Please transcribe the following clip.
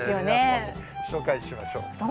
紹介しましょう。